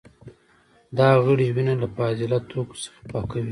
دا غړي وینه له فاضله توکو څخه پاکوي.